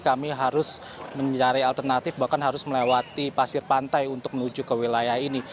kami harus mencari alternatif bahkan harus melewati pasir pantai untuk menuju ke wilayah ini